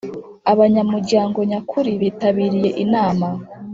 abanyamuryango nyakuri bitabiriye inama